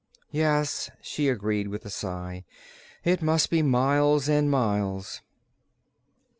"Yes," she agreed, with a sigh, "it must be miles and miles!"